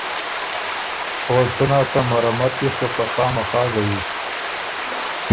او څه نا څه مرمت يې سو خه خامخا زَيي۔